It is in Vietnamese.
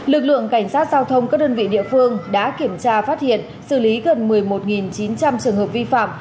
lực lượng cảnh sát giao thông các đơn vị địa phương đã kiểm tra phát hiện xử lý gần một mươi một chín trăm linh trường hợp vi phạm